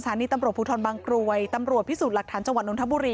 ณีตำรวจภูทรบางกรวยตำรวจพิสูจน์หลักฐานจังหวัดนทบุรี